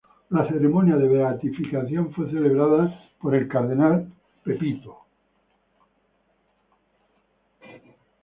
La ceremonia de beatificación fue celebrada por el cardenal Angelo Amato en Viena.